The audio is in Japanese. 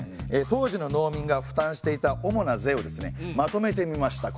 当時の農民が負担していた主な税をまとめてみました。